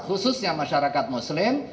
khususnya masyarakat muslim